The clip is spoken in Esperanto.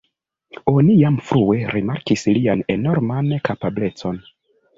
Oni jam frue rimarkis lian enorman kapablecon.